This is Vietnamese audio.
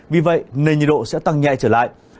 vì vậy nền nhiệt độ sẽ tăng nhẹ trở lại